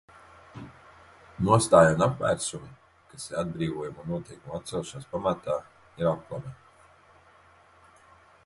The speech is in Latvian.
Nostāja un apsvērumi, kas ir atbrīvojuma noteikumu atcelšanas pamatā, ir aplami.